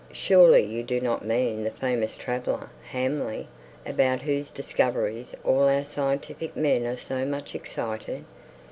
"Surely you do not mean the famous traveller, Hamley, about whose discoveries all our scientific men are so much excited.